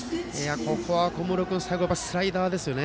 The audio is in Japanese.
ここは小室君最後はやっぱりスライダーですね。